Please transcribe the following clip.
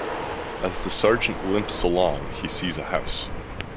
As the Sergeant limps along he sees a house.